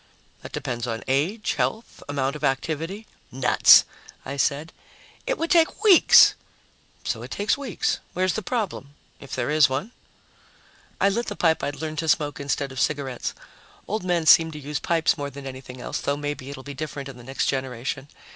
"That depends on age, health, amount of activity " "Nuts!" I said. "It would take weeks!" "So it takes weeks. Where's the problem if there is one?" I lit the pipe I'd learned to smoke instead of cigarettes old men seem to use pipes more than anything else, though maybe it'll be different in the next generation.